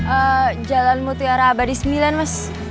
eh jalan mutiara abadi sembilan mas